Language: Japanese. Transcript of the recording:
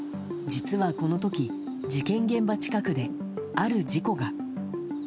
実はこの時、事件現場近くである事故が。